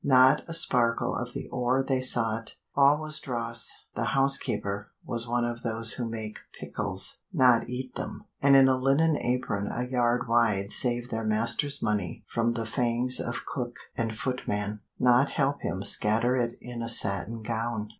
Not a sparkle of the ore they sought; all was dross. "The Housekeeper" was one of those who make pickles, not eat them and in a linen apron a yard wide save their master's money from the fangs of cook and footman, not help him scatter it in a satin gown.